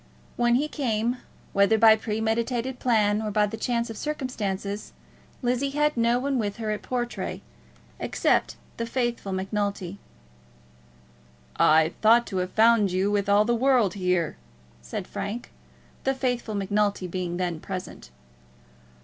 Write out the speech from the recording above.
When he came, whether by premeditated plan or by the chance of circumstances, Lizzie had no one with her at Portray, except the faithful Macnulty. "I thought to have found you with all the world here," said Frank, the faithful Macnulty being then present.